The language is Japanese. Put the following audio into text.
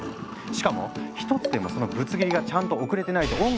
しかも１つでもそのぶつ切りがちゃんと送れてないと音楽が止まっちゃう。